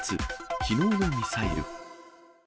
きのうのミサイル。